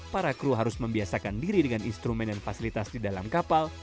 para kru harus membiasakan diri dengan instrumen dan fasilitas di dalam kapal